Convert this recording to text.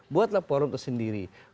buatlah forum itu sendiri